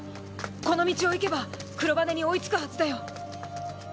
この道を行けばクロバネに追いつくはずだよ。